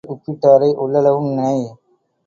உள்ளங்கையில் உப்பிட்டாரை உள்ளளவும் நினை.